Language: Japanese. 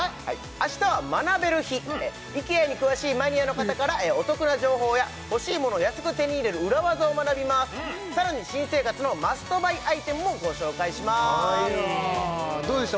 明日は学べる日ＩＫＥＡに詳しいマニアの方からお得な情報や欲しい物を安く手に入れる裏技を学びますさらに新生活のマストバイアイテムもご紹介しますどうでした？